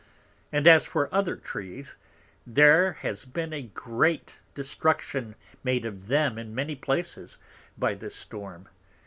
And as for other Trees, there has been a great Destruction made of them in many Places, by this Storm.